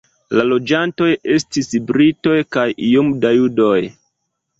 La loĝantoj estis britoj kaj iom da judoj.